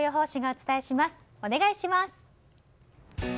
お願いします。